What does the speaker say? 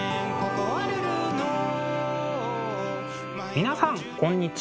皆さんこんにちは。